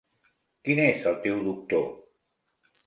Quin és el teu doctor?